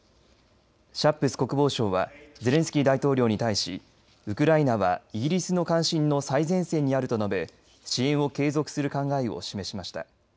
シャップス国防相はゼレンスキー大統領に対しウクライナはイギリスの関心の最前線にあると述べ支援を継続する考えを示しました。